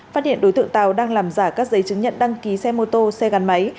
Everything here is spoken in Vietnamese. phát hiện đối tượng tàu đang làm giả các giấy chứng nhận đăng ký xe mô tô xe gắn máy